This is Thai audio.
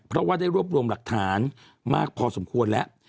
เพราะว่าได้รวบรวมหลักฐานมากพอสมควรแล้ว